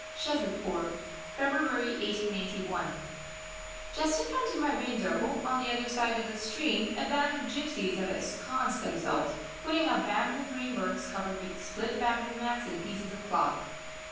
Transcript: SHAZADPUR, February 1891. Just in front of my window, on the other side of the stream, a band of gypsies have ensconced themselves, putting up bamboo frameworks covered over with split bamboo mats and pieces of cloth.